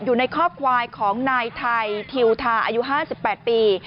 อยู่ในครอบควายของนายไทยถิวทาอายุห้าสิบแปดปี